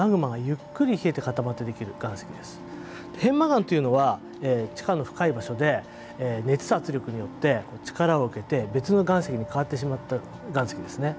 片麻岩というのは地下の深い場所で熱や圧力によって力を受けて別の岩石に変わってしまった岩石ですね。